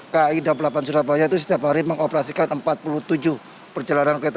kai daup delapan surabaya itu setiap hari mengoperasikan empat puluh tujuh perjalanan kereta